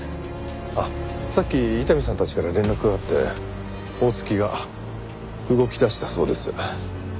あっさっき伊丹さんたちから連絡があって大槻が動き出したそうです。